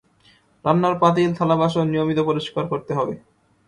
রান্নার পাতিল, থালাবাসন নিয়মিত পরিষ্কার করতে হবে।